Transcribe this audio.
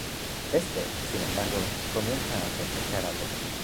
Éste, sin embargo, comienza a sospechar algo.